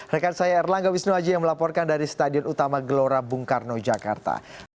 rekan saya erlangga wisnuaji yang melaporkan dari stadion utama gelora bung karno jakarta